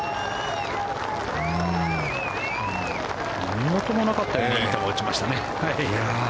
何事もなかったようにいい球を打ちましたね。